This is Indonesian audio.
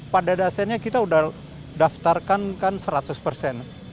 pada dasarnya kita sudah daftarkan kan seratus persen